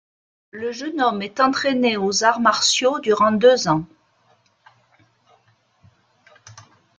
Le jeune homme est entraîné aux arts martiaux durant deux ans.